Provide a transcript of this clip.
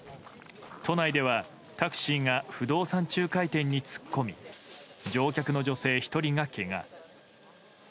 都内では、タクシーが不動産仲介店に突っ込み乗客の女性１人がけが。